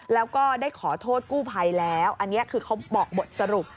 แล้วก็ได้ขอโทษกู้ภัยแล้วอันนี้คือเขาบอกบทสรุป